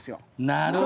なるほど。